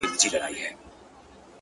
له دې جهانه بېل وي.